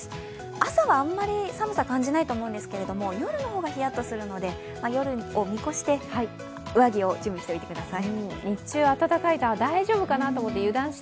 朝はあんまり寒さ、感じないと思うんですけれども夜の方がひやっとするので、夜を見越して上着を準備しておいてください。